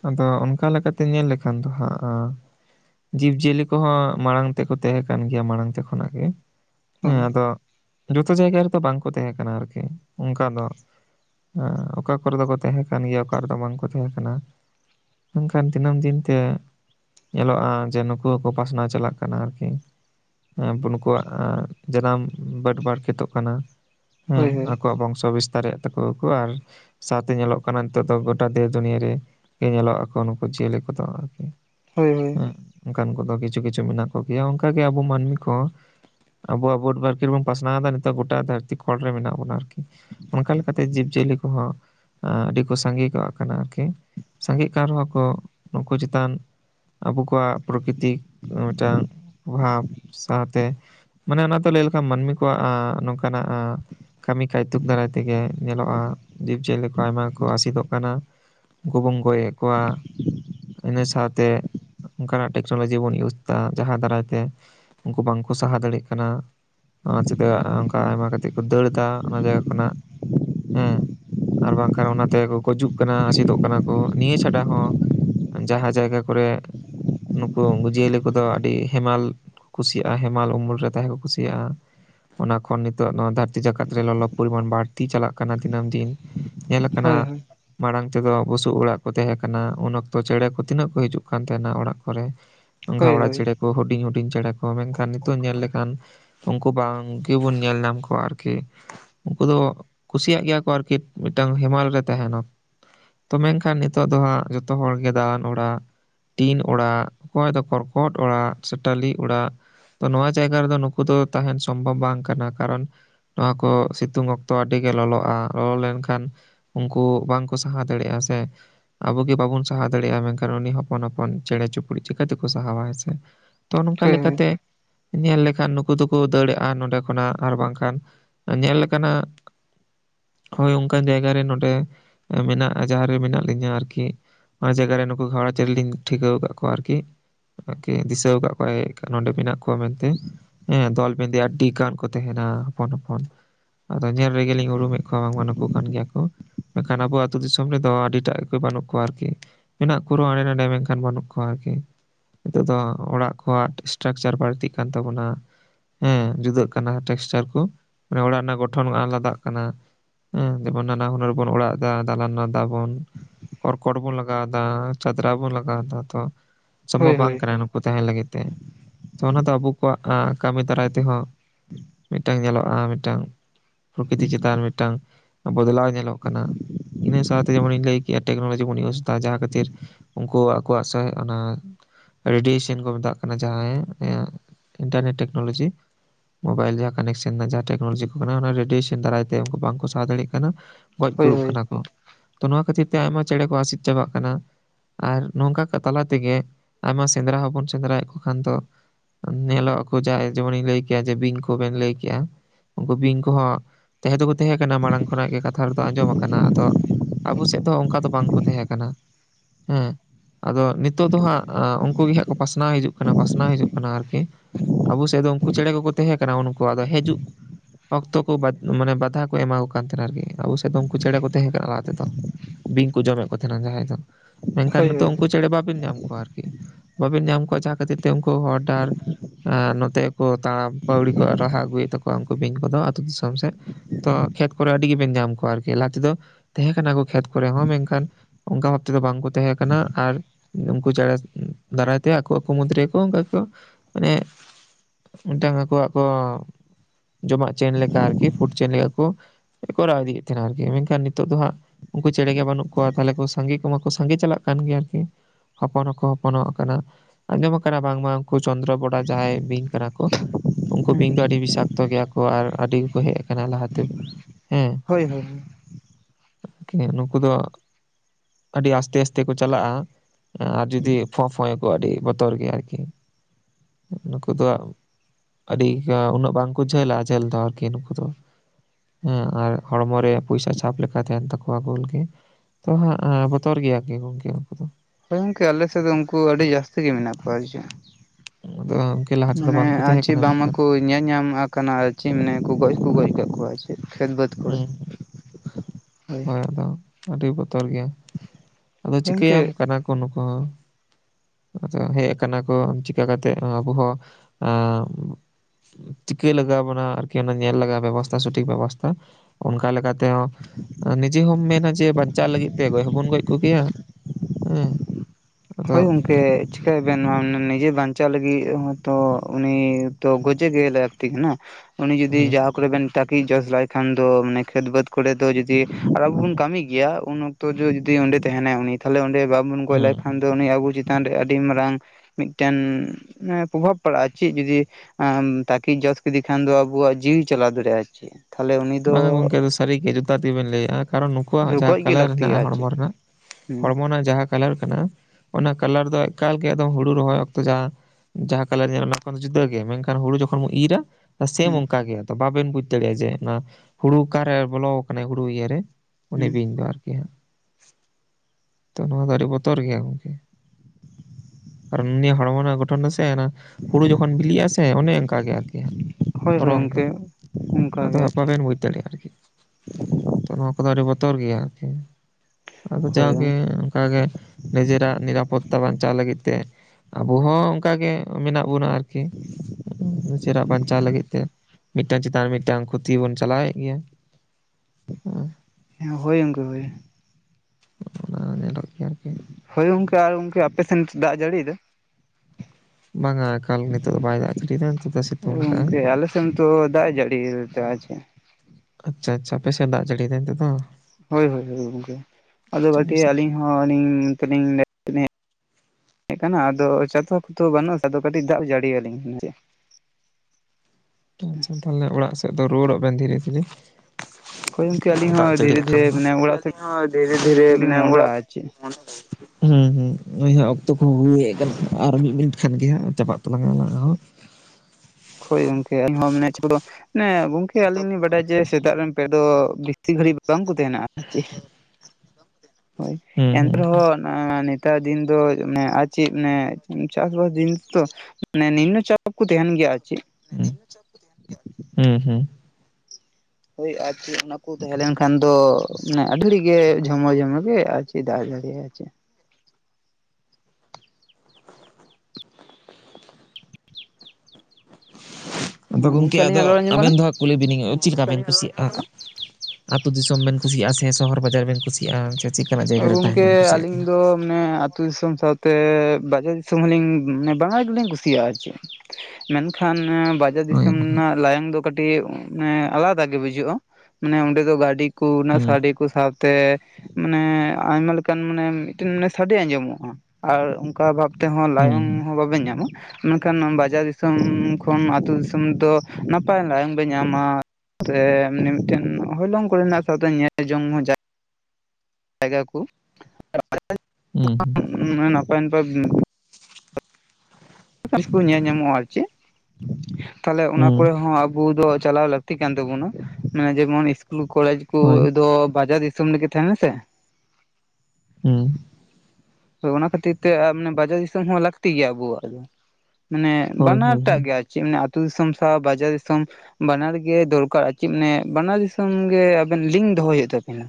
ᱟᱫᱚ ᱚᱱᱠᱟ ᱞᱮᱠᱟ ᱛᱮ ᱧᱮᱞ ᱞᱮᱠᱷᱟᱱ ᱫᱚ ᱦᱟᱸᱜ ᱦᱟᱸ ᱡᱤᱵᱽ ᱡᱤᱭᱟᱹᱞᱤ ᱠᱚᱦᱚᱸ ᱢᱟᱲᱟᱝ ᱛᱮᱠᱚ ᱛᱮᱦᱮᱸ ᱠᱟᱱ ᱜᱮᱭᱟ ᱢᱟᱲᱟᱝ ᱛᱮ ᱠᱷᱚᱱᱟᱜ ᱜᱮ᱾ ᱦᱮᱸ ᱟᱫᱚ ᱡᱚᱛᱚ ᱡᱟᱭᱜᱟ ᱨᱮᱫᱚ ᱵᱟᱝᱠᱚ ᱛᱟᱦᱮᱸ ᱠᱟᱱᱟ ᱟᱨᱠᱤ ᱚᱝᱠᱟ ᱫᱚ᱾ ᱦᱮᱸ ᱚᱠᱟ ᱠᱚᱨᱮ ᱫᱚ ᱠᱚ ᱛᱮᱦᱮᱸ ᱠᱟᱱ ᱜᱮᱭᱟ ᱚᱠᱟ ᱨᱮᱫᱚ ᱵᱟᱝ ᱠᱚ ᱛᱮᱦᱮᱸ ᱠᱟᱱᱟ᱾ ᱢᱮᱱᱠᱷᱟᱱ ᱫᱤᱱᱟᱹᱢ ᱫᱤᱱ ᱛᱮ ᱧᱮᱞᱚᱜᱼᱟ ᱡᱮ ᱱᱩᱠᱩ ᱦᱚᱸᱠᱚ ᱯᱟᱥᱱᱟᱣ ᱪᱟᱞᱟᱜ ᱠᱟᱱᱟ ᱟᱨᱠᱤ᱾ ᱮᱸ ᱱᱩᱠᱩᱣᱟᱜ ᱡᱟᱱᱟᱢ ᱵᱟᱹᱰ ᱵᱟᱹᱲᱠᱮᱛᱚᱜ ᱠᱟᱱᱟ᱾ ᱦᱩᱸ ᱦᱳᱭ ᱟᱠᱚᱣᱟᱜ ᱵᱚᱝᱥᱚ ᱵᱤᱥᱛᱟᱨ ᱨᱮᱭᱟᱜ᱾ ᱛᱟᱠᱚᱣᱟᱠᱚ ᱟᱨ ᱥᱟᱶᱛᱮ ᱧᱮᱞᱚᱜ ᱠᱟᱱᱟ ᱱᱤᱛᱚᱜ ᱫᱚ ᱜᱚᱴᱟ ᱫᱮᱵ ᱫᱩᱱᱤᱭᱟᱹ ᱨᱮ᱾ ᱜᱮ ᱧᱮᱞᱚᱜ ᱟᱠᱚ ᱱᱩᱠᱩ ᱡᱤᱭᱟᱹᱞᱤ ᱠᱚᱫᱚ ᱟᱨᱠᱤ᱾ ᱩᱸᱻ ᱦᱮᱸ ᱚᱱᱠᱟᱱ ᱠᱚᱫᱚ ᱠᱤᱪᱷᱩ ᱠᱤᱪᱷᱩ ᱢᱮᱱᱟᱜ ᱠᱚᱜᱮᱭᱟ ᱚᱱᱠᱟᱜᱮ ᱟᱵᱚ ᱢᱟᱹᱱᱢᱤ ᱠᱚ᱾ ᱟᱵᱚᱣᱟᱜ ᱵᱟᱹᱴ ᱵᱟᱨᱠᱮᱵᱚᱱ ᱯᱟᱥᱱᱟᱣ ᱫᱟ ᱱᱤᱛᱚᱜ ᱜᱚᱴᱟ ᱫᱟᱹᱨᱛᱤ ᱠᱚᱸᱲ ᱨᱮ ᱢᱮᱱᱟᱜ ᱵᱚᱱᱟ ᱟᱨᱠᱤ᱾ ᱚᱱᱠᱟ ᱞᱮᱠᱟᱛᱮ ᱡᱤᱵᱽ ᱡᱤᱭᱟᱹᱞᱤ ᱠᱚᱦᱚᱸ ᱟᱹᱰᱤ ᱠᱚ ᱥᱟᱸᱜᱮ ᱠᱚᱜ ᱠᱟᱱᱟ ᱟᱨᱠᱤ᱾ ᱥᱟᱸᱜᱮᱜ ᱠᱟᱱ ᱨᱮᱦᱚᱸ ᱠᱚ ᱱᱳᱠᱳ ᱪᱮᱛᱟᱱ ᱟᱵᱚ ᱠᱚᱣᱟᱜ ᱯᱨᱚᱠᱤᱛᱤᱠ᱾ ᱢᱤᱫᱴᱟᱝ ᱵᱷᱟᱵᱽ ᱥᱟᱶᱛᱮ᱾ ᱢᱟᱱᱮ ᱚᱱᱟ ᱫᱚ ᱞᱟᱹᱭ ᱞᱮᱠᱷᱟᱱ ᱢᱟᱹᱱᱢᱤ ᱠᱚᱣᱟᱜ ᱟᱸᱜ ᱱᱚᱝᱠᱟᱱᱟᱜ ᱟᱸᱜ᱾ ᱠᱟᱹᱢᱤ ᱠᱟᱭᱛᱩᱠ ᱫᱟᱨᱟᱭ ᱛᱮᱜᱮ ᱧᱮᱞᱚᱜᱼᱟ ᱡᱤᱵᱽ ᱡᱤᱭᱟᱹᱞᱤ ᱠᱚ ᱟᱭᱢᱟ ᱠᱚ ᱟᱥᱤᱫᱚᱜ ᱠᱟᱱᱟ᱾ ᱜᱩᱜᱩᱢ ᱜᱚᱡ ᱮᱫ ᱠᱚᱣᱟ᱾ *inaudible* ᱤᱱᱟᱹ ᱥᱟᱶᱛᱮ᱾ ᱚᱱᱠᱟᱱᱟᱜ ᱴᱮᱠᱱᱳᱞᱚᱡᱤ ᱵᱚᱱ ᱤᱭᱩᱡᱽ ᱫᱟ ᱡᱟᱦᱟᱸ ᱫᱟᱨᱟᱭᱛᱮ ᱩᱝᱠᱩ ᱵᱟᱝᱠᱚ ᱥᱟᱦᱟ ᱫᱟᱲᱮᱭᱟᱜ ᱠᱟᱱᱟ᱾ ᱟᱸ ᱪᱮᱠᱟ ᱟᱝᱠᱟ ᱟᱭᱢᱟ ᱠᱟᱛᱮᱜ ᱠᱚ ᱫᱟᱹᱲ ᱫᱟ ᱚᱱᱟ ᱡᱟᱭᱜᱟ ᱠᱷᱚᱱᱟᱜ᱾ ᱦᱩᱸ ᱟᱨ ᱵᱟᱝᱠᱷᱟᱱ ᱚᱱᱟᱛᱮᱜᱮ ᱠᱚ ᱜᱩᱡᱩᱜ ᱠᱟᱱᱟ ᱟᱥᱤᱫᱚᱜ ᱠᱟᱱᱟ᱾ ᱠᱩ ᱱᱤᱭᱟᱹ ᱪᱷᱟᱰᱟ ᱦᱚᱸ ᱡᱟᱦᱟᱸ ᱡᱟᱭᱜᱟ ᱠᱚᱨᱮ᱾ ᱱᱩᱠᱩ ᱡᱤᱭᱟᱹᱞᱤ ᱠᱚᱫᱚ ᱟᱹᱰᱤ ᱦᱮᱸᱢᱟᱞ᱾ ᱠᱩᱥᱤᱭᱟᱜᱼᱟ ᱦᱮᱸᱢᱟᱞ ᱩᱢᱩᱞ ᱨᱮ ᱛᱟᱦᱮᱸ ᱠᱚ ᱠᱩᱥᱤᱭᱟᱜᱼᱟ᱾ ᱚᱱᱟ ᱠᱷᱚᱱ ᱱᱤᱛᱚᱜ ᱱᱚᱣᱟ ᱫᱷᱟᱹᱨᱛᱤ ᱡᱟᱠᱟᱛ ᱨᱮ ᱞᱚᱞᱚ ᱯᱚᱨᱤᱢᱟᱱ ᱵᱟᱹᱲᱛᱤ ᱪᱟᱞᱟᱜ ᱠᱟᱱᱟ ᱫᱤᱱᱟᱹᱢ ᱫᱤᱱ᱾ ᱧᱮᱞ ᱠᱟᱱᱟ ᱦᱳᱭ ᱢᱟᱲᱟᱝ ᱛᱮᱫᱚ᱾ ᱵᱩᱥᱩᱵ ᱚᱲᱟᱜ ᱠᱚ ᱛᱟᱦᱮᱸ ᱠᱟᱱᱟ ᱩᱱ ᱚᱠᱛᱚ ᱪᱮᱬᱮ ᱠᱚ ᱛᱤᱱᱟᱹᱜ ᱠᱚ ᱦᱤᱡᱩᱜ ᱠᱟᱱ ᱛᱟᱦᱮᱱᱟ ᱚᱲᱟᱜ ᱠᱚᱨᱮ᱾ ᱦᱳᱭ ᱜᱷᱟᱣᱲᱟ ᱦᱳᱭ ᱪᱮᱬᱮ ᱠᱚ ᱦᱩᱰᱤᱧ ᱦᱩᱰᱤᱧ ᱪᱮᱬᱮ ᱠᱚ ᱢᱮᱱᱠᱷᱟᱱ ᱱᱤᱛᱚᱜ ᱧᱮᱞ ᱞᱮᱠᱷᱟᱱ ᱩᱱᱠᱩ ᱵᱟᱝ ᱜᱮ ᱵᱚᱱ ᱧᱮᱞ ᱧᱟᱢ ᱠᱚᱣᱟ ᱟᱨᱠᱤ ᱩᱱᱠᱩ ᱫᱚ ᱠᱩᱥᱤᱭᱟᱜ ᱜᱮᱭᱟ ᱠᱚ ᱟᱨᱠᱤ ᱢᱤᱫᱴᱟᱝ ᱦᱮᱢᱟᱞ ᱨᱮ ᱛᱟᱦᱮᱱᱚ᱾ ᱛᱚ ᱢᱮᱱᱠᱷᱟᱱ ᱱᱤᱛᱚᱜ ᱫᱚ ᱦᱟᱸᱜ ᱡᱚᱛᱚ ᱦᱚᱲᱜᱮ ᱫᱟᱬᱟᱱ ᱚᱲᱟᱜᱼᱼ ᱴᱤᱱ ᱚᱲᱟᱜ ᱚᱠᱚᱭᱟᱜ ᱫᱚ ᱠᱚᱨᱠᱚᱫ ᱚᱲᱟᱜ ᱥᱮ ᱴᱟᱹᱟᱞᱤ ᱚᱲᱟᱜᱼᱼ ᱛᱚ ᱱᱚᱶᱟ ᱡᱟᱭᱜᱟ ᱨᱮᱫᱚ ᱱᱩᱠᱩ ᱫᱚ ᱛᱟᱦᱮᱱ ᱥᱚᱢᱵᱷᱚᱵ ᱵᱟᱝ ᱠᱟᱱᱟ ᱠᱟᱨᱚᱱ ᱱᱚᱣᱟ ᱠᱚ ᱥᱤᱛᱩᱝ ᱚᱠᱛᱚ ᱟᱹᱰᱤ ᱜᱮ ᱞᱚᱞᱚᱜᱼᱟ ᱞᱚᱞᱚ ᱞᱮᱱᱠᱷᱟᱱ ᱩᱱᱠᱩ ᱵᱟᱝᱠᱚ ᱥᱟᱦᱟᱼᱼ ᱫᱟᱲᱮᱜ-ᱟ ᱥᱮ᱾ ᱟᱵᱚ ᱜᱮ ᱵᱟᱵᱚᱱ ᱥᱟᱦᱟᱣ ᱫᱟᱲᱮᱭᱟᱜᱼᱟ ᱢᱮᱱᱠᱷᱟᱱ ᱩᱱᱤ ᱦᱚᱯᱚᱱ ᱦᱚᱯᱚᱱ ᱪᱮᱬᱮ ᱪᱩᱯᱲᱩᱡ ᱪᱤᱠᱟᱹᱛᱮᱠᱚ ᱥᱟᱦᱟᱣᱟᱭ ᱥᱮ᱾ ᱛᱚ ᱱᱚᱝᱠᱟ ᱦᱳᱭ ᱦᱳᱭ ᱞᱮᱠᱟᱛᱮᱼᱼ ᱧᱮᱞ ᱞᱮᱠᱷᱟᱱ ᱱᱩᱠᱩ ᱫᱚᱠᱚ ᱫᱟᱹᱲᱟᱜᱼᱟ ᱱᱚᱰᱮ ᱠᱷᱚᱱᱟᱜ ᱟᱨ ᱵᱟᱝᱠᱷᱟᱱ ᱧᱮᱞ ᱞᱮᱠᱟᱱᱟᱜ ᱦᱳᱭ ᱚᱱᱠᱟᱱ ᱡᱟᱭᱜᱟ ᱨᱮ ᱱᱚᱰᱮ ᱢᱮᱱᱟᱜᱼᱼ ᱡᱟᱦᱟᱸ ᱨᱮ ᱢᱮᱱᱟᱜ ᱞᱤᱧᱟᱹ ᱟᱨᱠᱤ ᱚᱱᱟ ᱡᱟᱭᱜᱟ ᱨᱮ ᱱᱩᱠᱩ ᱜᱷᱟᱨᱚᱡᱽ ᱨᱮ ᱞᱤᱧ ᱴᱷᱤᱠᱟᱹᱣ ᱟᱠᱟᱫ ᱠᱚᱣᱟ ᱟᱨᱠᱤ᱾ ᱟᱨᱠᱤ ᱫᱤᱥᱟᱹ ᱟᱠᱟᱫ ᱠᱚᱣᱟᱭ ᱦᱮᱡ ᱱᱚᱸᱰᱮ ᱢᱮᱱᱟᱜ ᱠᱚᱣᱟ ᱢᱮᱱᱛᱮᱼᱼ ᱦᱮᱸ *unintelligible* ᱫᱚᱞᱵᱸᱫᱮ ᱟᱨ ᱰᱤ ᱜᱟᱱ ᱠᱚ ᱛᱟᱦᱮᱱᱟ ᱦᱚᱯᱚᱱ ᱦᱚᱯᱚᱱ ᱟᱫᱚ ᱧᱮᱞ ᱨᱮᱜᱮᱞᱤᱧ ᱩᱨᱩᱢᱮᱫ ᱠᱚᱣᱟ ᱵᱟᱝᱢᱟ ᱱᱩᱠᱩ ᱠᱟᱱ ᱜᱮᱭᱟ ᱠᱚ ᱢᱮᱱᱠᱷᱟᱱ ᱟᱵᱚᱼᱼ ᱟᱛᱩ ᱫᱤᱥᱚᱢ ᱨᱮᱫᱚ ᱟᱹᱰᱤᱴᱟᱜ ᱵᱟᱹᱱᱩᱜ ᱠᱚᱣᱟ ᱟᱨᱠᱤ ᱢᱮᱱᱟᱜ ᱠᱚᱩᱨᱣᱟ ᱦᱟᱸᱰᱮ ᱱᱟᱰᱮ ᱢᱮᱱᱠᱷᱟᱱ ᱵᱟᱹᱱᱩᱜ ᱠᱚᱣᱟ ᱟᱨᱠᱤᱼᱼ ᱱᱤᱛᱚᱜ ᱫᱚ ᱚᱲᱟᱜ ᱠᱚᱣᱟᱜ ᱮᱥᱴᱨᱟᱠᱪᱟᱨ ᱵᱟᱹᱲᱛᱤᱜ ᱠᱟᱱ ᱛᱟᱵᱚᱱᱟ᱾ ᱦᱮᱸ ᱡᱩᱫᱟᱹᱜ ᱠᱟᱱᱟ ᱴᱮᱠᱥᱪᱟᱨ ᱠᱚ ᱢᱟᱱᱮ ᱚᱲᱟᱜ ᱨᱮᱱᱟᱜ ᱜᱚᱴᱷᱚᱱ ᱠᱚ ᱟᱞᱟᱫᱟᱜ ᱠᱟᱱᱟ᱾ ᱦᱮᱸ ᱡᱮᱢᱚᱱ ᱱᱟᱱᱟᱦᱩᱱᱟᱹᱨ ᱵᱚᱱ ᱚᱲᱟᱜ ᱮᱫᱟ᱾ ᱫᱟᱞᱟᱱᱟ ᱫᱟ ᱵᱚᱱ ᱠᱚᱨᱠᱚᱴ ᱵᱚᱱ ᱞᱟᱜᱟᱣᱫᱟ ᱪᱟᱫᱽᱨᱟ ᱵᱚᱱ ᱞᱟᱜᱟᱣᱫᱟ ᱛᱚ ᱦᱳᱭ ᱥᱚᱢᱵᱷᱚᱵᱽ ᱦᱳᱭ ᱵᱟᱝ ᱦᱳᱭ ᱠᱟᱱᱟ ᱱᱩᱠᱩ ᱛᱟᱦᱮᱱ ᱞᱟᱹᱜᱤᱫ ᱛᱮ ᱛᱚ ᱚᱱᱟ ᱫᱚ ᱟᱵᱚ ᱠᱚᱣᱟᱜ ᱠᱟᱹᱢᱤ ᱫᱟᱨᱟᱭ ᱛᱮᱦᱚᱸ ᱢᱤᱫᱴᱟᱝ ᱧᱮᱞᱚᱜᱼᱟ ᱢᱤᱫᱴᱟᱝ ᱯᱨᱚᱠᱤᱛᱤ ᱪᱮᱛᱟᱱ ᱢᱤᱫᱴᱟᱝ ᱵᱚᱫᱽᱞᱟᱣ ᱧᱮᱞᱚᱜ ᱠᱟᱱᱟ᱾ ᱤᱱᱟᱹ ᱥᱟᱶᱛᱮ ᱡᱮᱢᱚᱱᱤᱧ ᱞᱟᱹᱭ ᱠᱮᱜ ᱴᱮᱠᱱᱳᱞᱚᱡᱤ ᱵᱚᱱ ᱤᱭᱩᱥ ᱮᱫᱟ ᱡᱟᱦᱟᱸ ᱠᱷᱟᱹᱛᱤᱨ ᱩᱱᱠᱩ ᱟᱠᱚᱣᱟᱜ ᱥᱮ ᱚᱱᱟ ᱨᱮᱰᱤᱭᱮᱥᱚᱱ ᱠᱚ ᱢᱮᱛᱟᱜ ᱠᱟᱱᱟ ᱡᱟᱦᱟᱸᱭ ᱤᱱᱴᱟᱨᱱᱮᱴ ᱴᱮᱠᱱᱳᱞᱚᱡᱤ᱾ ᱢᱳᱵᱟᱭᱤᱞ ᱡᱟᱦᱟᱸ ᱠᱟᱱᱮᱠᱥᱮᱱ ᱴᱮᱠᱱᱳᱞᱚᱡᱤ ᱠᱚ ᱚᱱᱟ ᱨᱮᱰᱤᱭᱮᱥᱚᱱ ᱫᱟᱨᱟᱭᱛᱮ ᱩᱱᱠᱩ ᱵᱟᱝᱠᱚ ᱥᱟᱦᱟ ᱫᱟᱲᱮᱭᱟᱜ ᱠᱟᱱᱟ ᱜᱚᱡ ᱦᱳᱭ ᱜᱩᱨᱩᱜ ᱠᱟᱱᱟ ᱠᱚ ᱛᱚ ᱱᱚᱣᱟ ᱠᱷᱟᱹᱛᱤᱨ ᱛᱮ ᱟᱭᱢᱟ ᱪᱮᱬᱮ ᱠᱚ ᱟᱥᱤᱫ ᱪᱟᱵᱟᱜ ᱠᱟᱱᱟ᱾ ᱟᱨ ᱱᱚᱝᱠᱟ ᱛᱟᱞᱟ ᱛᱮᱜᱮ ᱟᱭᱢᱟ ᱥᱮᱸᱫᱽᱨᱟ ᱦᱚᱸᱵᱚᱱ ᱥᱮᱸᱫᱽᱨᱟᱭᱮᱫ ᱠᱚ ᱠᱷᱟᱱ ᱫᱚᱼᱼ ᱧᱮᱞᱚᱜᱚ ᱡᱟ ᱡᱮᱢᱚᱱᱤᱧ ᱞᱟᱹᱭ ᱠᱮᱭᱟ ᱡᱮ ᱵᱤᱧ ᱠᱚ ᱵᱮᱱ ᱞᱟᱹᱭ ᱠᱮᱭᱟ᱾ ᱩᱱᱠᱩ ᱵᱤᱧ ᱠᱚᱦᱚᱸ ᱛᱟᱦᱮᱸ ᱫᱚᱠᱚ ᱛᱟᱦᱮᱸ ᱠᱟᱱᱟ ᱢᱟᱲᱟᱝ ᱠᱷᱚᱱᱟᱜ ᱜᱮ ᱠᱟᱛᱷᱟ ᱨᱮᱫᱚ ᱟᱸᱡᱚᱢ ᱟᱠᱟᱱᱟ ᱟᱫᱚ ᱟᱵᱚ ᱥᱮᱫ ᱫᱚ ᱚᱱᱠᱟ ᱫᱚ ᱵᱟᱝᱠᱚ ᱛᱟᱦᱮᱸ ᱠᱟᱱᱟ ᱦᱮᱸ᱾ ᱟᱫᱚ ᱱᱤᱛᱚᱜ ᱫᱚ ᱦᱟᱸᱜ ᱩᱱᱠᱩ ᱜᱮ ᱦᱟᱸᱜ ᱠᱚ ᱯᱟᱥᱱᱟᱣ ᱦᱤᱡᱩᱜ ᱠᱟᱱᱟ ᱯᱟᱥᱱᱟᱣ ᱦᱤᱡᱩᱜ ᱠᱟᱱᱟ ᱟᱨᱠᱤ ᱟᱵᱚ ᱥᱮᱫ ᱫᱚ ᱩᱱᱠᱩ ᱪᱮᱬᱮ ᱠᱚᱠᱚ ᱛᱟᱦᱮᱸ ᱠᱟᱱᱟ ᱩᱱᱠᱩ ᱟᱫᱚ ᱦᱮᱡᱩᱜ ᱚᱠᱛᱚ ᱠᱚ ᱵᱟ ᱢᱟᱱᱮ ᱵᱟᱫᱷᱟ ᱠᱚ ᱮᱢᱟ ᱠᱚ ᱠᱟᱱ ᱛᱟᱦᱮᱱᱟ ᱟᱨᱠᱤ ᱟᱵᱚ ᱥᱮᱫ ᱫᱚ ᱩᱱᱠᱩ ᱪᱮᱬᱮ ᱠᱚ ᱛᱟᱦᱮᱸ ᱠᱟᱱᱟ ᱟᱨᱠᱤ᱾ ᱱᱤᱛᱚᱜ ᱵᱤᱧ ᱠᱚ ᱡᱚᱢᱮᱫ ᱠᱚ ᱛᱟᱦᱮᱱᱟ ᱡᱟᱦᱟᱸᱭ ᱫᱚ ᱦᱳᱭ ᱢᱮᱱᱠᱷᱟᱱ ᱦᱳᱭ ᱦᱳᱭ ᱱᱤᱛᱚᱜ ᱩᱱᱠᱩ ᱪᱮᱬᱮ ᱵᱟᱵᱤᱱ ᱧᱟᱢ ᱠᱚᱣᱟ ᱟᱨᱠᱤ. ᱵᱟᱵᱤᱱ ᱧᱟᱢ ᱠᱚᱣᱟ ᱡᱟᱦᱟ ᱠᱷᱟᱹᱛᱤᱨ ᱛᱮ ᱩᱱᱠᱩ ᱦᱚᱨᱰᱟᱦᱟᱨ ᱱᱚᱛᱮ ᱠᱚ ᱛᱟᱲᱟᱢ ᱯᱟᱹᱲᱤ ᱠᱚ ᱨᱟᱦᱟ ᱟᱹᱜᱩᱭᱮᱫ ᱛᱟᱠᱚᱣᱟ ᱩᱱᱠᱩ ᱵᱤᱧ ᱠᱚᱫᱚ ᱟᱹᱛᱩ ᱫᱤᱥᱚᱢ ᱥᱮᱫ᱾ ᱛᱚ ᱠᱷᱮᱛ ᱠᱚᱨᱮ ᱟᱹᱰᱤ ᱜᱮᱵᱮᱱ ᱧᱟᱢ ᱠᱚᱣᱟ ᱟᱨᱠᱤ ᱞᱟᱦᱟ ᱛᱮᱫᱚ ᱛᱟᱦᱮᱸ ᱠᱟᱱᱟ ᱠᱚ ᱠᱷᱮᱛ ᱠᱚᱨᱮ ᱦᱚᱸ ᱢᱮᱱᱠᱷᱟᱱ ᱚᱱᱝᱠᱟ ᱵᱷᱟᱵᱛᱮ ᱫᱚ ᱵᱟᱝᱠᱚ ᱛᱟᱦᱮᱸ ᱠᱟᱱᱟ ᱟᱨ ᱩᱱᱠᱩ ᱪᱮᱬᱮ ᱫᱟᱨᱟᱭᱛᱮ ᱟᱠᱚ ᱟᱠᱚ ᱢᱩᱫᱽᱨᱮ ᱠᱚ ᱚᱱᱠᱟ ᱠᱚ ᱢᱟᱱᱮ ᱢᱤᱫᱴᱟᱝ ᱟᱠᱚᱣᱟᱜ ᱠᱚ ᱡᱚᱢᱟᱜ ᱪᱮᱱ ᱞᱮᱠᱟ ᱟᱨᱠᱤ ᱯᱷᱩᱰ ᱪᱮᱱ ᱞᱮᱠᱟ ᱠᱩ ᱠᱚᱨᱟᱣ ᱤᱫᱤᱭᱮᱫ ᱛᱟᱦᱮᱱᱟ ᱟᱨᱠᱤ ᱢᱮᱱᱠᱷᱟᱱ ᱱᱤᱛᱚᱜ ᱫᱚ ᱦᱟᱸᱜ ᱩᱱᱠᱩ ᱪᱮᱬᱮ ᱜᱮ ᱵᱟᱹᱱᱩᱜ ᱠᱚᱣᱟ ᱛᱟᱦᱚᱞᱮ ᱠᱚ ᱥᱟᱸᱜᱮ ᱠᱚᱢᱟ ᱠᱚ ᱥᱟᱸᱜᱮ ᱪᱟᱞᱟᱜ ᱠᱟᱱ ᱜᱮᱭᱟ ᱟᱨᱠᱤ᱾ ᱦᱚᱯᱚᱱ ᱦᱚᱸᱠᱚ ᱦᱚᱯᱚᱱᱚᱜ ᱠᱟᱱᱟ᱾ ᱟᱸᱡᱚᱢ ᱟᱠᱟᱱᱟ ᱵᱟᱝᱢᱟ ᱩᱱᱠᱩ ᱪᱚᱱᱫᱨᱚ ᱵᱚᱲᱟ ᱡᱟᱦᱟᱸᱭ ᱵᱤᱧ ᱠᱟᱱᱟ ᱠᱚ᱾ ᱩᱱᱠᱩ ᱵᱤᱧ ᱫᱚ ᱟᱹᱰᱤ ᱵᱤᱥᱟᱠᱛᱚ ᱜᱮᱭᱟ ᱠᱚ ᱟᱨ ᱟᱹᱰᱤ ᱜᱮᱠᱚ ᱦᱮᱡ ᱠᱟᱱᱟ ᱞᱟᱦᱟᱛᱮ ᱦᱮᱸ, ᱦᱳᱭ ᱦᱳᱭ ᱦᱳᱭ᱾ ᱠᱷᱮ ᱱᱩᱠᱩ ᱫᱚ ᱟᱹᱰᱤ ᱟᱥᱛᱮ ᱮᱥᱛᱮ ᱠᱚ ᱪᱟᱞᱟᱜᱼᱟ, ᱟᱨ ᱡᱩᱫᱤ ᱯᱷᱚ ᱯᱷᱚ ᱭᱟᱹᱠᱚ ᱟᱹᱰᱤ ᱵᱚᱛᱚᱨ ᱜᱮ ᱟᱨᱠᱤ ᱱᱩᱠᱩ ᱫᱚ ᱟᱹᱰᱤ ᱜᱟᱸ ᱩᱱᱟᱹᱜ ᱵᱟᱝᱠᱩ ᱡᱷᱟᱹᱞᱟ ᱡᱷᱟᱹᱞ ᱫᱚ ᱟᱨᱠᱤ ᱱᱩᱠᱩ ᱫᱚ, ᱦᱮᱸ ᱟᱨ ᱦᱚᱲᱢᱚ ᱨᱮᱭᱟ ᱯᱚᱭᱥᱟ ᱪᱷᱟᱯ ᱞᱮᱠᱟ ᱛᱟᱦᱮᱸᱱ ᱛᱟᱠᱚᱣᱟ ᱜᱳᱞ ᱜᱮ ᱛᱚ ᱦᱟᱸᱜ ᱵᱚᱛᱚᱨ ᱜᱮᱭᱟ ᱠᱮ ᱦᱩᱸ ᱜᱚᱢᱠᱮ ᱩᱝᱠᱩ ᱫᱚ᱾ ᱦᱳᱭ ᱜᱚᱝᱠᱮ ᱟᱞᱮᱥᱮᱫᱽ ᱫᱚ ᱩᱝᱠᱩ ᱟᱹᱰᱤ ᱡᱟᱹᱥᱛᱤ ᱜᱮ ᱢᱮᱱᱟᱜ ᱠᱚᱣᱟ ᱟᱨ ᱪᱮ ᱟᱫᱚ ᱜᱚᱝᱠᱮ ᱞᱟᱦᱟ ᱛᱮᱫᱚ ᱢᱟᱱᱮ ᱵᱟᱝᱠᱚ ᱟᱪ ᱛᱟᱦᱮᱸ ᱠᱟᱱᱟ ᱵᱟ ᱢᱮᱱᱠᱷᱟᱱ ᱢᱟᱠᱩᱭ ᱧᱮᱹ ᱧᱟᱢ ᱟᱠᱟᱱᱟ ᱟᱨ ᱪᱮ ᱢᱮᱱᱮ ᱠᱚ ᱜᱚᱡᱽ ᱦᱩᱠᱩ ᱠᱚ ᱜᱚᱡᱽ ᱠᱟᱜ ᱠᱚᱣᱟ ᱪᱮ ᱠᱷᱮᱛ ᱵᱟᱹᱫᱽ ᱠᱚᱨᱮ ᱦᱩᱸ ᱦᱩᱸ ᱦᱳᱭ ᱟᱫᱚ ᱟᱹᱰᱤ ᱵᱚᱛᱚᱨ ᱜᱮᱭᱟ᱾ ᱟᱫᱚ ᱜᱚᱝᱠᱮ ᱪᱤᱠᱟᱹᱭᱟᱢ ᱠᱟᱱᱟ ᱠᱚ ᱱᱩᱠᱩ ᱦᱚᱸ, ᱟᱫᱚ ᱦᱮᱡᱽ ᱠᱟᱱᱟ ᱠᱚ ᱪᱤᱠᱟ ᱠᱟᱛᱮᱜ ᱟᱵᱚ ᱦᱚᱸ ᱟ ᱪᱤᱠᱟᱹ ᱞᱟᱜᱟᱣ ᱵᱚᱱᱟ ᱟᱨᱠᱤ ᱚᱱᱟ ᱧᱮᱞ ᱞᱟᱜᱟ ᱵᱮᱵᱚᱥᱛᱷᱟ ᱥᱩᱴᱷᱤᱠ ᱵᱮᱵᱚᱥᱛᱷᱟ ᱚᱱᱠᱟ ᱞᱮᱠᱟ ᱛᱮᱦᱚ ᱱᱤᱡᱮ ᱦᱚᱢ ᱢᱮᱱᱟ ᱡᱮ ᱵᱟᱧᱪᱟᱜ ᱞᱟᱹᱜᱤᱫ ᱛᱮ ᱜᱚᱡᱽ ᱦᱚᱵᱚᱱ ᱜᱚᱡᱽ ᱠᱚᱜᱮᱭᱟ ᱦᱮᱸ ᱟᱫᱚ ᱦᱳᱭ ᱜᱚᱝᱠᱮ ᱪᱤᱠᱟᱭᱟ ᱵᱮᱱ ᱱᱤᱡᱮ ᱵᱟᱧᱪᱟᱣ ᱞᱟᱹᱜᱤᱫ ᱦᱚᱸᱛᱚ ᱩᱱᱤ ᱛᱚ ᱜᱚᱡᱮ ᱜᱮ ᱞᱟᱹᱠᱛᱤ ᱠᱟᱱᱟ, ᱩᱱᱤ ᱡᱩᱫᱤ ᱦᱩᱸ ᱡᱟᱦᱟᱸ ᱠᱚᱨᱮ ᱵᱮᱱ ᱛᱟᱠᱤ ᱡᱚᱥ ᱞᱟᱭ ᱠᱷᱟᱱ ᱫᱚ ᱢᱟᱱᱮ ᱠᱷᱮᱫᱽ ᱵᱟᱹᱫᱽ ᱠᱚᱨᱮ ᱫᱚ ᱡᱩᱫᱤ ᱟᱨ ᱟᱵᱩ ᱵᱚᱱ ᱠᱟᱢᱤ ᱜᱮᱭᱟ ᱩᱱ ᱚᱠ ᱛᱚ ᱡᱚ ᱡᱩᱫᱤ ᱚᱸᱰᱮ ᱛᱟᱦᱮᱸᱱᱟᱭ ᱩᱱᱤ ᱛᱟᱦᱚᱞᱮ ᱚᱸᱰᱮ ᱵᱟᱵᱚᱱ ᱜᱚᱡ ᱦᱩᱸ ᱞᱮᱠᱷᱟᱱ ᱩᱱᱤ ᱟᱜᱩ ᱪᱮᱛᱟᱱ ᱨᱮ ᱟᱹᱰᱤ ᱢᱟᱨᱟᱝ ᱢᱤᱫᱽᱴᱮᱱ ᱮᱸ ᱯᱚᱵᱷᱟᱵᱽ ᱯᱟᱲᱟᱜᱼᱟ ᱪᱤᱜ ᱡᱩᱫᱤ ᱟᱢ ᱛᱟᱠᱤᱡ ᱡᱚᱥ ᱠᱤᱫᱤ ᱠᱷᱟᱱ ᱫᱚ ᱟᱹᱵᱩᱣᱟᱜ ᱡᱤᱣᱤ ᱪᱟᱞᱟᱣ ᱫᱟᱲᱮᱭᱟᱜᱼᱟ ᱟᱨ ᱪᱮᱫ? ᱛᱟᱦᱚᱞᱮ ᱩᱱᱤ ᱵᱟᱝᱟ ᱫᱚ ᱜᱚᱝᱠᱮ ᱟᱫᱚ ᱥᱟᱨᱤ ᱜᱮ ᱡᱩᱛᱟᱹᱛ ᱜᱮᱵᱮᱱ ᱞᱟᱹᱭᱮᱜᱼᱟ᱾ ᱠᱟᱨᱚᱱ ᱱᱩᱠᱩᱣᱟᱜ ᱡᱟᱦᱟᱸ ᱜᱚᱡ ᱜᱮ ᱠᱟᱞᱟᱨ ᱦᱮᱸᱱᱟᱜᱼᱟ ᱞᱟᱹᱠᱛᱤᱭᱟ ᱦᱚᱲᱢᱚ ᱪᱮᱫ ᱨᱮᱱᱟᱜ ᱦᱩᱸ ᱦᱚᱲᱢᱚ ᱨᱮᱱᱟᱜ ᱡᱟᱦᱟᱸ ᱠᱟᱞᱟᱨ ᱠᱟᱱᱟ ᱚᱱᱟ ᱠᱟᱞᱟᱨ ᱫᱚ ᱮᱠᱟᱞ ᱜᱮ ᱮᱠᱫᱚᱢ ᱦᱩᱲᱩ ᱨᱚᱦᱚᱭ ᱚᱠᱛᱚ ᱡᱟᱦᱟᱸ ᱡᱟᱦᱟᱸ ᱠᱟᱞᱟᱨ ᱧᱮᱞ ᱢᱟ ᱚᱱᱟ ᱠᱷᱚᱱ ᱡᱩᱫᱟᱹᱜᱮ ᱢᱮᱱᱠᱷᱟᱱ ᱦᱩᱲᱩ ᱡᱚᱠᱷᱚᱱ ᱵᱚ ᱤᱨᱟ ᱥᱮᱢ ᱦᱩᱸ ᱚᱝᱠᱟ ᱜᱮ ᱟᱫᱚ ᱵᱟᱵᱮᱱ ᱵᱩᱡᱽ ᱫᱟᱲᱮᱭᱟᱜᱼᱟ ᱡᱮ ᱚᱱᱟ ᱦᱩᱲᱩ ᱚᱠᱟᱨᱮ ᱵᱚᱞᱚ ᱠᱟᱱᱟᱭ ᱦᱩᱲᱩ ᱤᱭᱟᱹ ᱨᱮ ᱩᱱᱤ ᱦᱩᱸ ᱵᱤᱧ ᱫᱚ ᱟᱨᱠᱤ ᱦᱟᱸᱜ ᱛᱚ ᱱᱚᱣᱟ ᱫᱚ ᱟᱹᱰᱤ ᱵᱚᱛᱚᱨ ᱜᱮᱭᱟ ᱜᱚᱝᱠᱮ᱾ ᱠᱟᱨᱚᱱ ᱩᱱᱤᱭᱟ ᱦᱚᱲᱢᱚ ᱨᱮᱱᱟᱜ ᱜᱚᱴᱷᱚᱱ ᱱᱟᱥᱮ ᱚᱱᱟ ᱦᱩᱲᱩ ᱡᱚᱠᱷᱚᱱ ᱵᱤᱞᱤᱜᱼᱟᱥᱮ ᱚᱱᱮ ᱚᱝᱠᱟ ᱜᱮ ᱟᱨᱠᱤ᱾ ᱦᱳᱭ ᱦᱳᱭ ᱜᱚᱝᱠᱮ ᱚᱝᱠᱟ ᱜᱮ ᱟᱨ ᱪᱮᱫ ᱵᱟᱹᱠᱤᱱ ᱵᱩᱡᱽ ᱫᱟᱲᱮᱭᱟᱜ ᱟᱨᱠᱤ ᱛᱚ ᱱᱚᱣᱟ ᱠᱚᱫᱚ ᱟᱹᱰᱤ ᱵᱚᱛᱚᱨ ᱜᱮᱭᱟ ᱟᱨᱠᱤ᱾ ᱟᱫᱚ ᱡᱟᱣ ᱦᱳᱭ ᱜᱮ ᱚᱝᱠᱟ ᱜᱮ ᱱᱤᱡᱮᱨᱟᱜ ᱱᱤᱨᱟᱯᱚᱛᱛᱟ ᱵᱟᱧᱪᱟᱣ ᱞᱟᱹᱜᱤᱫ ᱛᱮ ᱟᱵᱚ ᱦᱚᱸ ᱚᱝᱠᱟᱜ ᱜᱮ ᱢᱮᱱᱟᱜ ᱵᱩᱱᱟ ᱟᱨᱠᱤ᱾ ᱱᱤᱡᱮᱨᱟᱜ ᱵᱟᱧᱪᱟᱣ ᱞᱟᱹᱜᱤᱫ ᱛᱮ ᱢᱤᱫᱽᱴᱟᱝ ᱪᱤᱛᱟᱱ ᱢᱤᱫᱽᱴᱟᱝ ᱠᱷᱩ ᱛᱤ ᱵᱚᱱ ᱪᱟᱞᱟᱣᱮᱜ ᱜᱮᱭᱟ ᱦᱚᱸ᱾ ᱦᱮᱸ ᱦᱳᱭ ᱜᱚᱝᱠᱮ ᱦᱳᱭ᱾ ᱚᱱᱟ ᱧᱮᱞᱚᱜ ᱜᱮᱭᱟ ᱟᱨᱠᱤ ᱦᱳᱭ ᱜᱚᱝᱠᱮ ᱟᱨ ᱜᱚᱝᱠᱮ ᱟᱯᱮ ᱥᱮᱱ ᱫᱟᱜ ᱮ ᱡᱟᱹᱲᱤᱭ ᱫᱟ? ᱵᱟᱸᱝᱟ ᱮᱠᱟᱞ ᱱᱤᱛᱳᱜ ᱫᱚ ᱵᱟᱭ ᱫᱟᱜᱽ *unintelligible* ᱭᱫᱟ ᱱᱤᱛᱳᱜ ᱫᱚ ᱥᱤᱛᱩᱝ ᱦᱳᱭ ᱠᱟᱜᱼᱟᱭ᱾ ᱜᱚᱝᱠᱮ ᱟᱞᱮ ᱥᱮᱱ ᱛᱚ ᱫᱟᱜ ᱮ ᱡᱟᱹᱲᱤᱭᱮᱫᱟ ᱟᱪᱪᱷᱟ ᱟᱪᱪᱷᱟ ᱟᱪᱪᱷᱟ ᱟᱯᱮᱥᱮᱫ, ᱫᱟᱜᱽ ᱡᱟᱹᱲᱤᱭ ᱫᱟᱭ ᱱᱤᱛᱚ ᱫᱚ? ᱦᱳᱭ ᱦᱳᱭ ᱦᱳᱭ ᱜᱚᱢᱠᱮ ᱟᱫᱚ ᱟᱪᱪᱷᱟ ᱠᱟᱹᱴᱤᱡ ᱵᱮᱥ ᱟᱹᱞᱤᱧ ᱱᱟᱯᱟᱭ ᱦᱚ ᱞᱤᱧ ᱛᱮᱞᱤᱧ *unintelligible* ᱦᱮᱡ ᱠᱟᱱᱟ ᱟᱫᱚ ᱪᱟᱛᱚ ᱠᱚᱛᱚ ᱵᱟᱹᱱᱩᱜᱼᱟ ᱟᱫᱚ ᱠᱟᱹᱴᱤᱡ ᱫᱟᱜᱽ ᱡᱟᱲᱤ ᱭᱟᱹᱞᱤᱧ ᱠᱟᱱᱟ ᱪᱮᱜ᱾ *unintelligible* ᱟᱪᱪᱷᱟ ᱛᱟᱦᱚᱞᱮ ᱚᱲᱟᱜ ᱥᱮᱫᱽ ᱫᱚ ᱨᱩᱣᱟᱹᱲᱚᱜ ᱵᱮᱱ ᱫᱷᱤᱨᱮ ᱫᱷᱤᱨᱮ᱾ ᱦᱳᱭ ᱜᱚᱝᱠᱮ ᱟᱹᱞᱤᱧ ᱦᱚᱸ ᱫᱟᱜ ᱫᱷᱤᱨᱮ ᱡᱟᱹᱲᱤᱭᱮᱜ ᱠᱷᱟᱱ ᱫᱷᱤᱨᱮ ᱫᱚ ᱢᱟᱱᱮ ᱜᱚᱝᱠᱮ ᱚᱲᱟᱜ ᱥᱮᱫ ᱟᱹᱞᱤᱧ ᱦᱚᱸ ᱫᱷᱤᱨᱮ ᱫᱷᱤᱨᱮ ᱜᱮᱞᱤᱧ ᱢᱟᱱᱮ ᱚᱲᱟᱜ ᱢᱚᱦᱰᱟᱜᱼᱟ ᱟᱨ ᱪᱮᱫ ᱢᱚᱱᱮ *inaudible* ᱦᱮᱸ ᱦᱩᱹ ᱱᱩᱭ ᱦᱚ ᱚᱠᱛᱚ ᱠᱚᱦᱚᱸ ᱦᱩᱭ ᱦᱮᱡ ᱟᱠᱟᱱᱟ ᱟᱨ ᱢᱤᱫ ᱢᱤᱱᱤᱴ ᱠᱷᱟᱱ ᱜᱮ ᱦᱟᱸᱜ ᱪᱟᱵᱟᱜ ᱛᱟᱞᱟᱝᱟ ᱟᱞᱟᱝᱟᱜ ᱦᱚᱸ᱾ ᱠᱷᱳᱭ ᱜᱚᱝᱠᱮ ᱟᱞᱤᱧ ᱦᱚᱸᱢᱟᱱᱮ ᱜᱚᱢᱠᱮ ᱟᱞᱤᱧ ᱞᱤᱧ ᱵᱟᱰᱟᱭᱟ ᱡᱮ ᱥᱮᱛᱟᱜ ᱨᱮᱱ ᱯᱮ ᱫᱚ ᱛᱤ ᱜᱷᱟᱹᱲᱤᱡ ᱵᱟᱝᱠᱚ ᱛᱟᱦᱮᱱᱟ ᱪᱮᱫ? ᱦᱳᱭ ᱦᱩᱸ ᱮᱱᱛᱮ ᱦᱩᱸ ᱨᱮᱦᱚᱸ ᱱᱮᱛᱟᱨ ᱫᱤᱱ ᱫᱚ ᱢᱟᱱᱮ ᱟᱨ ᱪᱮᱫ ᱢᱟᱱᱮ ᱪᱟᱥᱵᱟᱥ ᱫᱤᱱ ᱛᱚ᱾ ᱢᱟᱱᱮ ᱱᱤᱢᱱᱚ ᱪᱟᱯ ᱠᱚ ᱛᱟᱦᱮᱱ ᱜᱮᱭᱟ ᱟᱨ ᱪᱮᱫ᱾ ᱦᱩᱸ ᱦᱩᱸ᱾ ᱦᱳᱭ ᱟᱨ ᱪᱮᱫ ᱚᱱᱟ ᱠᱩ ᱛᱟᱦᱮᱸ ᱞᱮᱱ ᱠᱷᱟᱱ ᱫᱚ ᱢᱟᱱᱮ ᱟᱹᱰᱤ ᱨᱮᱜᱮ ᱡᱷᱚᱢᱚᱨ ᱡᱷᱚᱢᱚᱨ ᱜᱮ ᱟᱨ ᱫᱟᱜ ᱮ ᱡᱟᱲᱤᱭᱟᱭ ᱪᱮ? ᱟᱫᱚ ᱜᱚᱢᱠᱮ ᱜᱚᱝᱠᱮ ᱟᱫᱚ ᱟᱹᱞᱤᱧᱟᱜ ᱨᱚᱲ ᱟᱸᱡᱚᱢᱚᱜ ᱠᱟᱱᱟ? ᱟᱵᱮᱱ ᱫᱚ ᱦᱟᱸᱜ ᱠᱩᱞᱤ ᱵᱤᱱᱤᱧ ᱪᱮᱫ ᱞᱮᱠᱟ ᱵᱮᱱ ᱠᱩᱥᱤᱭᱟᱜᱼᱟ? ᱟᱹᱛᱩ ᱫᱤᱥᱚᱢ ᱵᱮᱱ ᱠᱩᱥᱤᱭᱟᱜᱼᱟ ᱥᱮ ᱥᱚᱦᱚᱨ ᱵᱟᱡᱟᱨ ᱵᱮᱱ ᱠᱩᱥᱤᱭᱟᱜᱼᱟ ᱥᱮ ᱪᱮᱫᱮᱠᱟᱱᱟᱜ ᱦᱳᱭ ᱡᱟᱭᱜᱟᱟᱨ ᱨᱮ ᱛᱟᱦᱮᱱ ᱜᱚᱝᱠᱮ ᱵᱮᱱ ᱠᱩᱥᱤᱭᱟᱜ ᱟᱹᱞᱤᱧ ᱠᱟᱱᱟ? ᱫᱚ ᱢᱟᱱᱮ ᱟᱹᱛᱩ ᱫᱤᱥᱚᱢ ᱥᱟᱶᱛᱮ ᱵᱟᱡᱟᱨ ᱫᱤᱥᱚᱢ ᱦᱚᱸᱞᱤᱧ ᱢᱟᱱᱮ ᱵᱟᱱᱟᱨ ᱜᱮᱞᱤᱧ ᱠᱩᱥᱤᱭᱟᱜᱼᱟ ᱟᱨ ᱪᱮᱫ᱾ ᱢᱮᱱᱠᱷᱟᱱ ᱵᱟᱡᱟᱨ ᱵᱟᱡᱟᱨ ᱦᱳᱭ ᱫᱤᱥᱚᱢ ᱚᱱᱟ ᱦᱟᱸᱜ ᱨᱮᱱᱟᱜ ᱞᱟᱭᱚᱝ ᱫᱚ ᱠᱟᱹᱴᱤᱡᱟᱱ ᱢᱟᱱᱮ ᱟᱞᱟᱫᱟ ᱜᱮ ᱵᱩᱡᱷᱟᱹᱜᱼᱟ ᱢᱟᱱᱮ ᱚᱸᱰᱮ ᱫᱚ ᱜᱟᱹᱰᱤ ᱠᱩ ᱩᱱᱟᱹᱜ ᱦᱩᱸ ᱥᱟᱹᱰᱤ ᱠᱚ ᱥᱟᱶᱛᱮ ᱢᱟᱱᱮ ᱟᱭᱢᱟ ᱞᱮᱠᱟᱱ ᱢᱟᱱᱮ ᱢᱤᱫᱴᱮᱱ ᱢᱟᱱᱮ ᱥᱟᱰᱮ ᱟᱸᱡᱚᱢᱚᱜᱼᱟ᱾ ᱟᱨ ᱚᱱᱠᱟ ᱵᱷᱟᱵ ᱛᱮᱦᱚᱸ ᱞᱟᱭᱚᱝ ᱦᱩᱸ ᱦᱚᱸ ᱵᱟᱵᱮᱱ ᱧᱟᱢᱟ᱾ ᱢᱮᱱᱠᱷᱟᱱ ᱵᱟᱡᱟᱨ ᱫᱤᱥᱚᱢ ᱠᱷᱚᱱ ᱟᱹᱛᱩ ᱫᱤᱥᱚᱢ ᱫᱚ ᱱᱟᱯᱟᱭ ᱞᱟᱭᱚᱝ ᱵᱮᱱ ᱧᱟᱢᱟ᱾ ᱥᱮ ᱢᱤᱫᱴᱮᱱ ᱦᱚᱭᱞᱚᱝ ᱠᱚᱨᱮᱱᱟᱜ ᱥᱟᱶᱛᱮ ᱧᱮᱞ ᱡᱚᱝ ᱦᱚᱸ ᱡᱟᱹᱭᱜᱟ ᱠᱚ ᱦᱩᱸ ᱦᱩᱸ *unintelligible* ᱱᱟᱯᱟᱭ ᱱᱟᱯᱟᱭ ᱡᱤᱱᱤᱥ ᱠᱚ ᱧᱮᱞ ᱧᱟᱢᱚᱜ-ᱟ ᱟᱨ ᱪᱮᱫ᱾ ᱛᱟᱞᱦᱮ ᱚᱱᱟ ᱦᱩᱸ ᱠᱚᱨᱮ ᱦᱚᱸ ᱟᱵᱚ ᱫᱚ ᱪᱟᱞᱟᱣ ᱞᱟᱹᱠᱛᱤ ᱠᱟᱱ ᱛᱟᱵᱚᱱᱟ ᱢᱟᱱᱮ ᱡᱮᱢᱚᱱ ᱤᱥᱠᱩᱞ ᱠᱚᱞᱮᱡᱽ᱾ ᱠᱩ ᱦᱳᱭ ᱫᱚ ᱵᱟᱡᱟᱨ ᱫᱤᱥᱚᱢ ᱨᱮᱜᱮ ᱛᱟᱦᱮᱱᱟ ᱥᱮ᱾ ᱦᱩᱸ ᱦᱳᱭ ᱚᱱᱟ ᱠᱷᱟᱹᱛᱤᱨ ᱛᱮ ᱢᱟᱱᱮ ᱵᱟᱡᱟᱨ ᱫᱤᱥᱚᱢ ᱦᱚᱸ ᱞᱟᱹᱠᱛᱤ ᱜᱮᱭᱟ ᱟᱵᱚᱣᱟᱜ ᱫᱚ ᱢᱟᱱᱮ ᱦᱳᱭ ᱵᱟᱱᱟᱨ ᱦᱳᱭ ᱴᱟᱜ ᱦᱳᱭ ᱜᱮ ᱟᱨ ᱪᱮᱫ ᱢᱟᱱᱮ ᱟᱹᱛᱩ ᱫᱤᱥᱚᱢ ᱥᱟᱶ ᱵᱟᱡᱟᱨ ᱫᱤᱥᱚᱢ ᱵᱟᱱᱟᱨ ᱜᱮ ᱫᱚᱨᱠᱟᱨᱟ ᱪᱮᱫ ᱢᱟᱱᱮ ᱵᱟᱱᱟᱨ ᱫᱤᱥᱚᱢ ᱜᱮ ᱟᱵᱮᱱ ᱞᱤᱝᱠ ᱫᱚᱦᱚᱭ ᱦᱩᱭᱩᱜ ᱛᱟᱵᱤᱱᱟ᱾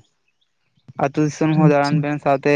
ᱟᱹᱛᱩ ᱫᱤᱥᱚᱢ ᱦᱚᱸ ᱟᱪᱪᱷᱟ ᱫᱟᱨᱟᱱ ᱵᱮᱱ ᱥᱟᱶᱛᱮ